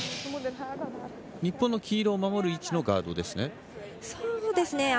日本の黄色を守る位置のガードですね。